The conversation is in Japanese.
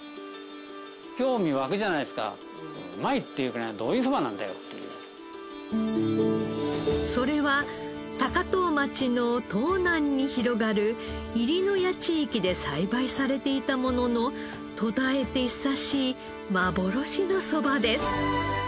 ここら辺のそれは高遠町の東南に広がる入野谷地域で栽培されていたものの途絶えて久しい幻のそばです。